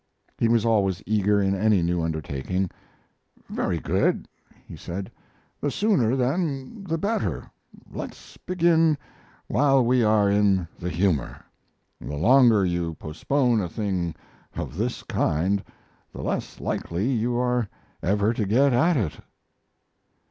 He was always eager in any new undertaking. "Very good," he said. "The sooner, then, the better. Let's begin while we are in the humor. The longer you postpone a thing of this kind the less likely you are ever to get at it."